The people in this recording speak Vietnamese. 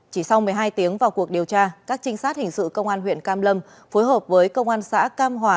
chỉ sau một mươi hai tiếng vào cuộc điều tra các trinh sát hình sự công an huyện cam lâm phối hợp với công an xã cam hòa